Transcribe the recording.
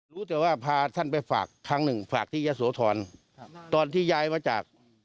รู้แต่ว่าพาท่านไปฝากครั้งหนึ่งฝากที่ยะโสธรครับตอนที่ย้ายมาจาก